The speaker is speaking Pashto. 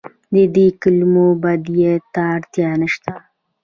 د دې کلمو بدیل ته اړتیا نشته.